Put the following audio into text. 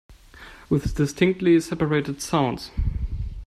With distinctly separated sounds.